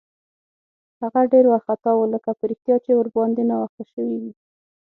هغه ډېر وارخطا و، لکه په رښتیا چې ورباندې ناوخته شوی وي.